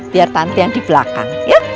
biar tante yang di belakang